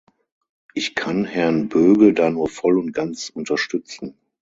Ich kann Herrn Böge da nur voll und ganz unterstützen.